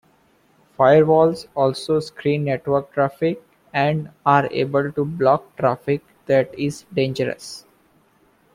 Firewalls also screen network traffic and are able to block traffic that is dangerous.